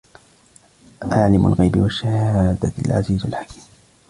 عَالِمُ الْغَيْبِ وَالشَّهَادَةِ الْعَزِيزُ الْحَكِيمُ